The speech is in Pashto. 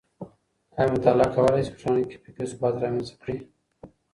آيا مطالعه کولای سي په ټولنه کي فکري ثبات رامنځته کړي؟